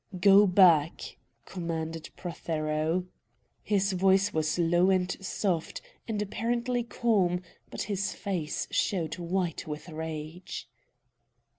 "Go back!" commanded Prothero. His voice was low and soft, and apparently calm, but his face showed white with rage.